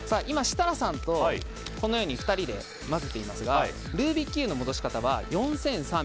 今、設楽さんとこのように２人で混ぜていますがルービックキューブの戻し方は４３２７